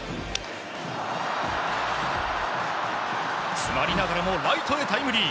詰まりながらもライトへタイムリー。